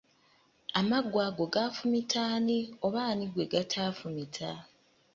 Amaggwa ago gafumita ani oba ani gwe gatafumita?